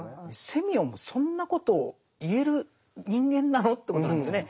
セミヨンもそんなことを言える人間なの？ってことなんですよね。